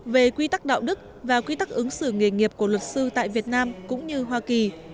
về quy tắc đạo đức và quy tắc ứng xử nghề nghiệp của luật sư tại việt nam cũng như hoa kỳ